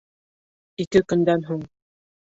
Ике көндән һуң